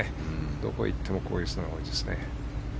どこに行ってもこういう砂が多いですね。